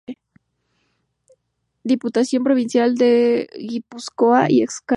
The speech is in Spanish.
Diputación provincial de Guipúzcoa y Excmo.